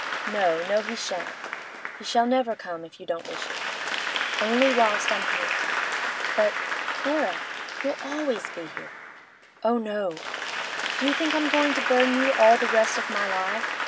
'No, no, he shan't. He shall never come, if you don't wish it.' 'Only whilst I'm here.' 'But—Clara—you'll always be here.' 'Oh no! Do you think I'm going to burden you all the rest of my life?